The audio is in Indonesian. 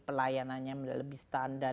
pelayanannya menjadi lebih standar